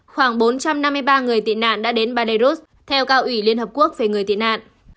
khoảng bốn trăm năm mươi ba người tị nạn đã đến ba belarus theo cao ủy liên hợp quốc về người tị nạn